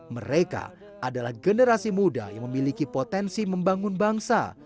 mereka adalah generasi muda yang memiliki potensi membangun bangsa